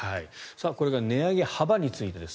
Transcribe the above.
これが値上げ幅についてです。